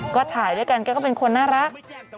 ก็ถ่ายด้วยกันแกก็เป็นคนน่ารัก